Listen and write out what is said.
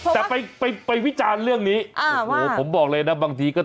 แต่ไปวิจารณ์เรื่องนี้